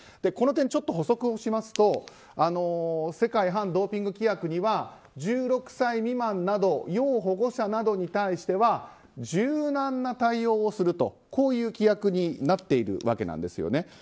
この点、補足をしますと世界反ドーピング規約には１６歳未案など要保護者などに対しては柔軟な対応をするという規約になっているわけなんですね。